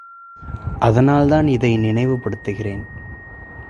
அதனால்தான் இதை நினைவு படுத்துகிறேன்.